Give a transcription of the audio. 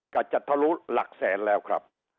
ก็จะทะลุหลักแสนแล้วครับ